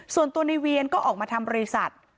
ส่วนตัวในเวียนก็ออกมาทำบริษัท